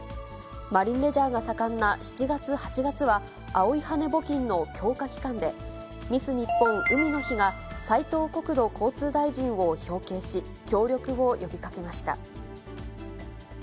マリンレジャーが盛んな７月、８月は青い羽根募金の強化期間で、ミス日本、海の日が、斉藤国土交通大臣を表敬し、協力を呼びかけました。